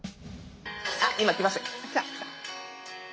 あっ今来ました。